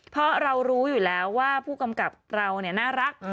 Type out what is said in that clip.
เพราะเรารู้อยู่แล้วว่าผู้กำกับเราน่ารัก